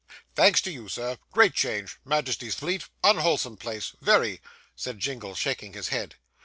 'Thanks to you, sir great change Majesty's Fleet unwholesome place very,' said Jingle, shaking his head.